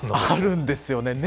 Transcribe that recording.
あるんですよね。